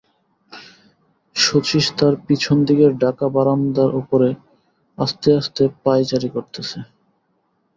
শচীশ তার পিছন দিকের ঢাকা বারান্দার উপরে আস্তে আস্তে পায়চারি করিতেছে।